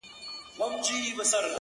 • غل د پیشي درب څخه ھم بېرېږي ,